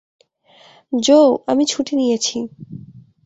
জো, আমি ছুটি নিয়েছি।